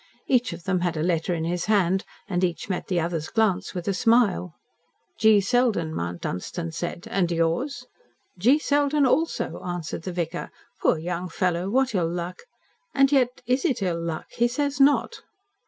Each of them had a letter in his hand, and each met the other's glance with a smile. "G. Selden," Mount Dunstan said. "And yours?" "G. Selden also," answered the vicar. "Poor young fellow, what ill luck. And yet is it ill luck? He says not."